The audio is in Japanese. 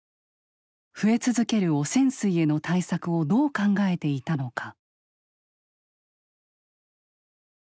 増え続ける汚染水への対策をどう考えていたのか。